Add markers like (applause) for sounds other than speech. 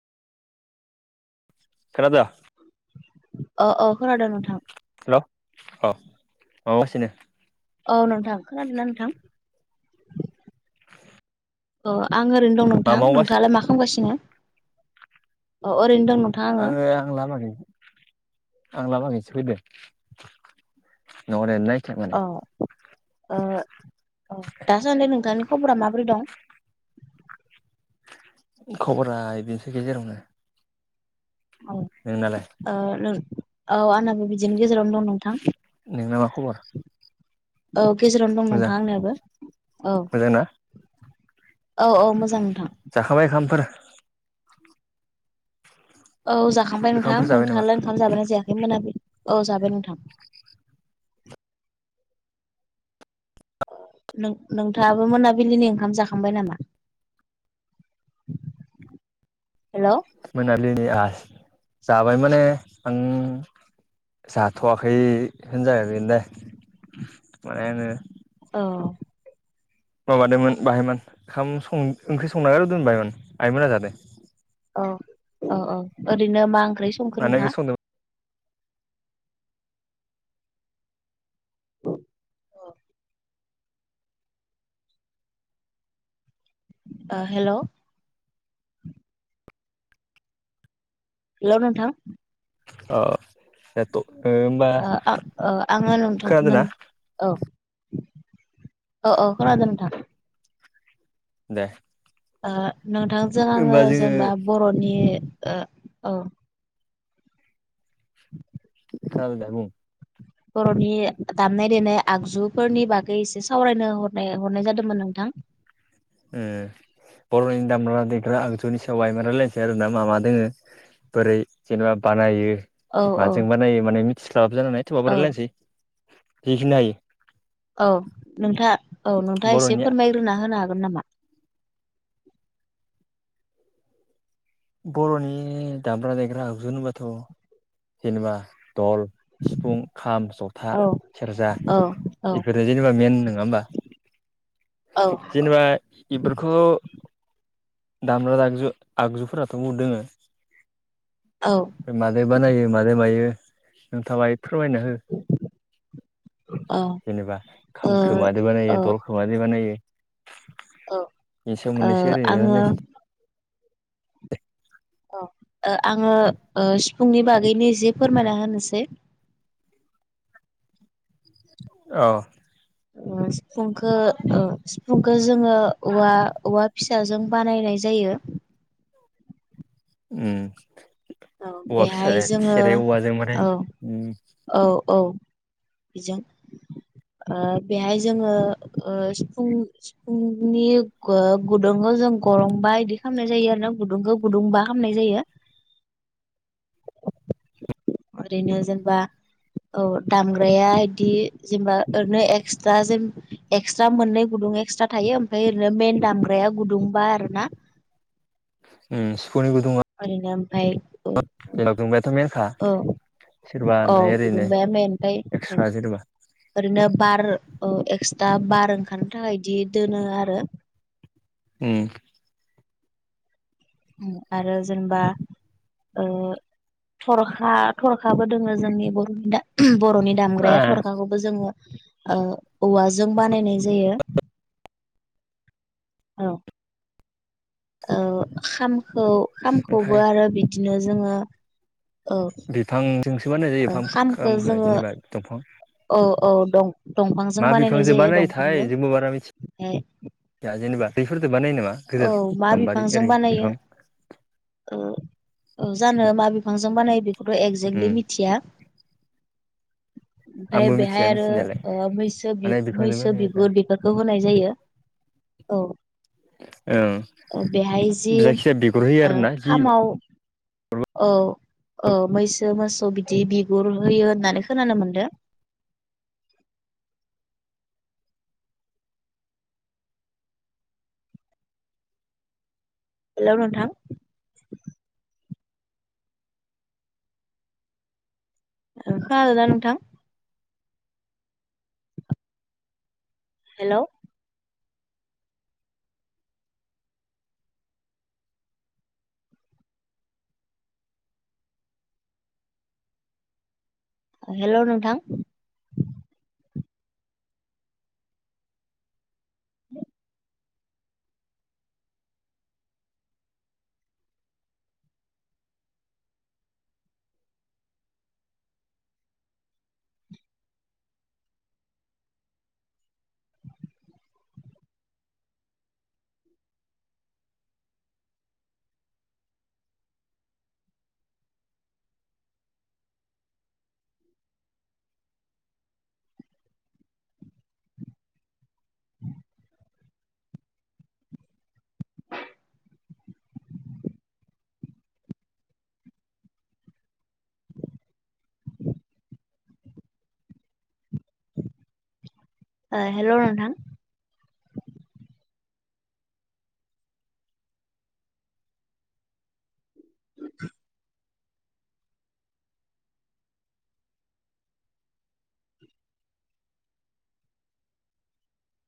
खोनादो? अ अ खोनादों नोथां। हेल' अ अ (unintelligible) गासिनो औ नोंथां खोनादोंना नोंथां? अ आं ओरैनो दं मा नोंथां मावगासिनो नोंथाङालाय मा खालामगासिनो? अ ओरैनो दं आङो आं लामानि आं लामाखैसो फैदो (inaudible) औ ओ औ दासान्दि नोंथांनि खबरा माबोरै दं? खावबरा बेनोसै गेजेरावनो औ। नोंना लाय? ओ नों औ आंनाबो बिदिनि गेजेरावनो दं नो नोंना मा खबर? औ गेजेरावनो दं मोजां नोंथां आंनियाबो औ। मोजां ना औ औ मोजां नोंथां। जाखाबाय ओखामफोरा औ जाखांबाय नोंथां ओंखामफोर जाबाय नामा नोंथाङालाय ओंखाम जाबायना जायाखै मोनाबिलि औ जाबाय नोंथां। ओ नों नोंथाङाबो मोनाबिलिनि ओंखाम जाखांबाय नामा? हेलौ मोनालिनि आस जाबाय माने आं जाथ'आखै होनजागोन दे माने होनो औ माबादोंमोन बाहायमोन ओंखाम सं ओंख्रि संना आरो' दोनबायमोन आइमोना जादो। औ ओ ओ ओरैनो मा ओंख्रि संखों मानो ओंख्रि नोंथाङा? संदों उम ओ हेलौ। हेलौ नोंथां। ओ एथ ओम ओ आ ओ आङो नोंथां नो ना औ। ओ ओ खोनादों नोंथां। दे। ओ नोंथांजों आङो होमबा जोङो जेनेबा बर'नि ओ औ। खोनादों दे बुं। (inaudible) बर'नि दामनाय देनाय आगजुफोरनि बागै एसे सावरायनो हरनाय हरनाय जादोंमोन नोंथां। उम बर'नि दामग्रा देग्रा आगजुनि सायाव आइम रायलायनोसै आरो ना मा मा दोङो। बोरै जेनेबा बानायो। औ औ माजों बानायो माने मिथिस्लाबाबो जानोहानाय थेवाबबो औ रायलायनोसै हिखिनायो। औ नोंथाङा औ नोंथाङा एसे बर'नि फोरमायग्रोना होनो हागोन नामा? बर'नि दाम्रा देग्रा आगजुहोनोबाथ' जेनेबा दल सिफुं खाम ज था औ सेरजा औ औ एफोरो जेनेबा मेन नङा होमबा। औ जेनेबा इफोरखौ दाम्रा दागजु आगजुफोराथ' बुहुद दङो। औ मादै बानायो मादै मायो नोंथाङा बाय फोरमायना हो। ओ जेनेबा औ खामखो मादो औ बानायो दलखौ मादो बानायो ओ एनि सायाव मोननोसै ओरैनो आङो रायलायनोसै। औ ओ आङो ओ सिफुंनि बागैनो एसे फोरमायना होनोसै। औ। उम सिफुंखो ओ सिफुंखो जोङो औवा औवा फिसाजों बानायनाय जायो। उम औ औवा बेहाय फिसाजो जोङो थेरे औवाजों माने औ उम। औ औ बेजों। ओ बेहाय जोङो ओ सिफुं सिफुंनि ग गुदुंखो जों गरंबा इदि खालामनाय जायो आरो ना गुदुंखौ गुदुंबा खालामामनाय जायो। ओरैनो जेनबा औ दामग्राया इदि जेनेबा ओरैनो एक्सट्रा जेम एक्सट्रा मोननै गुदुं एक्सट्रा थायो ओमफ्राय ओरै मेन दामग्राया गुदुंबा आरो ना। उम सिफुंनि गुदुंआ ओैरैनो ओमफ्राय औ जोंबायाथ' मेनखा औ सोरबा औ ओमफ्राय ओरैनो गुदुंबाया मेन ओमफ्राय एक्सट्रा सोरबा ओरैनो बार औ एक्सट्रा बार ओंखारनो थाखाय बिदि दोनो आरो उम आरो जेनेबा ओ‌ थरखा थरखाबो दोङो जोंनि बर'नि दा बर'नि ओ दामग्राया थरखाखौबो जोङो ओ औवाजों बानायनाय जायो औ ओ खामखौ ओमफ्राय खामखौबो आरो बिदिनो जोङो औ बिफांजोंसो बानायनाय‌ जायो‌ ओ फाम खामखौ जोङो जेनेबा दंफां औ औ दं दंफांजों मा बानायनाय बिफांजों जायो बानायोथाय दंफांजों ओमफ्राय दा जेनबा बैफोरदो बानायो नामा औ गिदिर मा गाम्बारि बिफांजों ओरै बिफां बानायो ओ औ जानो मा बिफांजों बानायो बेखौथ' उम एक्जेक्टलि मिथिया (inaudible) ओमफ्राय आंबो मिथिया बेहाय आरो मिथिनायालाय ओ मैसो बि माने बिफांजों मैसो बानायो आरोना बिगुर बेफोरखौ होनाय जायो औ ओं औ बेहाय जि जायखिजाया बिगुर होयो ओ आरोना जि खामाव औ औ मैसो मोसौ बिदि बिगुर होयो होननानै खोनानो मोनदों हेल' नोंथां ओ खोनादोंना‌ नोंथां हेल' हेल' नोंथां (inaudible) ओ हेल' नोंथां